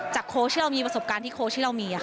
โค้ชที่เรามีประสบการณ์ที่โค้ชที่เรามี